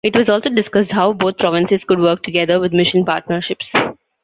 It was also discussed how both provinces could work together with mission partnerships.